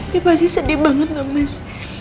dia pasti sedih banget thomas